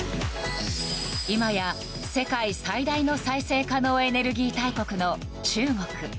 今や世界最大の再生可能エネルギー大国の中国。